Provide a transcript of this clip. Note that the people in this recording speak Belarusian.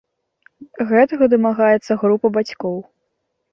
Гэтага дамагаецца група бацькоў.